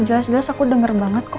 jelas jelas aku dengar banget kok